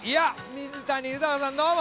水谷さんどうも。